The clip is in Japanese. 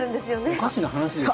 おかしな話ですね。